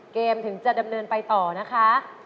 ถึงจะดำเนินไปต่อนะคะ